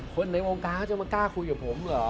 คนในองค์กราศก็จะมากล้าคุยกับผมเหรอ